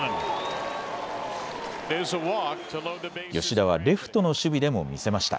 吉田はレフトの守備でも見せました。